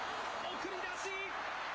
送り出し。